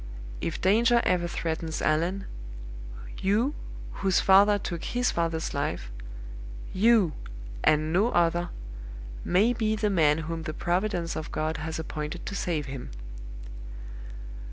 If danger ever threatens Allan, you, whose father took his father's life YOU, and no other, may be the man whom the providence of God has appointed to save him.